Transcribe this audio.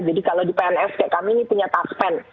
jadi kalau di pns kayak kami ini punya taspen